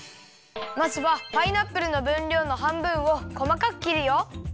まずはパイナップルのぶんりょうのはんぶんをこまかくきるよ。